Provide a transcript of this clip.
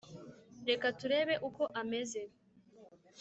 reka turebe uko ameze